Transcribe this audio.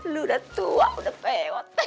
lo udah tua udah pewet